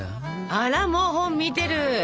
あらもう本見てる！